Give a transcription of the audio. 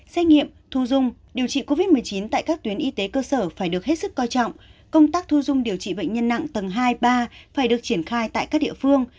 xét nghiệm thu dung điều trị covid một mươi chín tại các tuyến y tế cơ sở phải được hết sức coi trọng công tác thu dung điều trị bệnh nhân nặng tầng hai ba phải được triển khai tại các địa phương